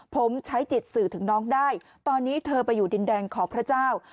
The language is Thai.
ผมใช้จิตสื่อถึงน้องได้ตอนนี้เธอไปอยู่ดินแดงของพระเจ้า